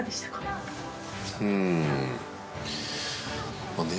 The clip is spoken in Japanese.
うん。